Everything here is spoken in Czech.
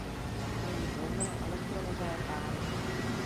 Mají volné elektronové páry.